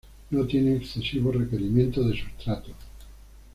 No tiene excesivos requerimientos de sustrato.